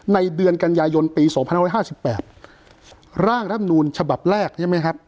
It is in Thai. ในเดือนกันใหยยณปี๒๒๕๘ขอย่างร่ำนูนฉบับ๑ใช่ไหมครับ